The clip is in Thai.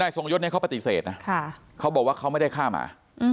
ทรงยศเขาปฏิเสธนะเขาบอกว่าเขาไม่ได้ฆ่าหมา